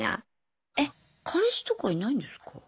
え彼氏とかいないんですか？